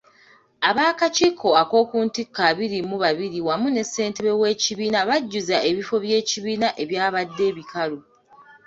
Ab'akakiiko ak'oku ntikko abiri mu babiri wamu ne ssentebe w'ekibiina bajjuzza ebifo by'ekibiina ebyabadde ebikalu.